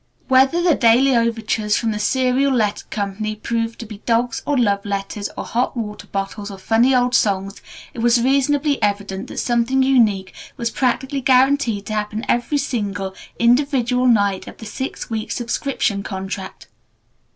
Whether the daily overtures from the Serial Letter Co. proved to be dogs or love letters or hot water bottles or funny old songs, it was reasonably evident that something unique was practically guaranteed to happen every single, individual night of the six weeks' subscription contract.